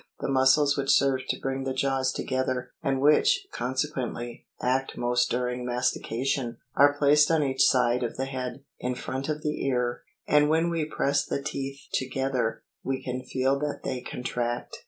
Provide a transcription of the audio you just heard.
The muscles which serve to bring the jaws together, and which, conse quently, act most during mastication, are placed on each side of the head, in front of the ear {Fig 14.), and when we press the teeth together, we can feel that they contract.